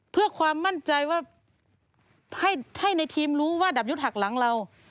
เพื่อความมั่นใจว่าให้ในทีมรู้ว่าดับยุทธ์หักหลังเรา